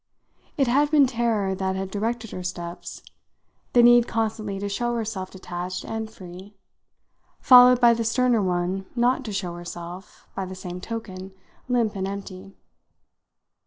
It had been terror that had directed her steps; the need constantly to show herself detached and free, followed by the sterner one not to show herself, by the same token, limp and empty.